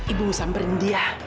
ibu mau samperin dia